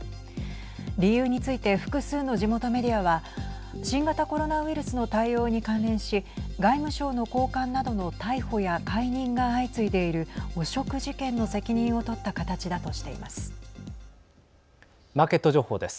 理由について複数の地元メディアは新型コロナウイルスの対応に関連し外務省の高官などの逮捕や解任が相次いでいる汚職事件の責任を取った形だとしています。